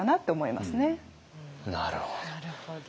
なるほど。